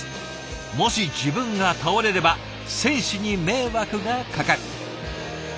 もし自分が倒れれば選手に迷惑がかかる。